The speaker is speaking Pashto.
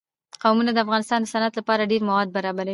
قومونه د افغانستان د صنعت لپاره ډېر مواد برابروي.